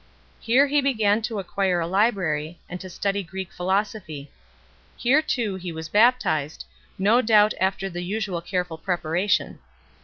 Here he began to acquire a library 4 , and to study Greek philosophy. Here too he was baptized, no doubt after the usual careful preparation.